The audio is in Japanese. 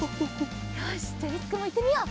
よしじゃありつくんもいってみよう。